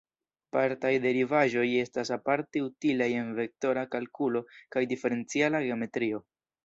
Partaj derivaĵoj estas aparte utilaj en vektora kalkulo kaj diferenciala geometrio.